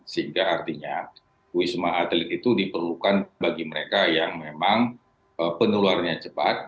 sehingga artinya wisma atlet itu diperlukan bagi mereka yang memang penularannya cepat